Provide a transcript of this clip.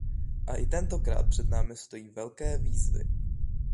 A i tentokrát před námi stojí velké výzvy.